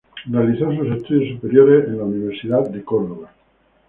Realizó sus estudios superiores en la Universidad de Córdoba.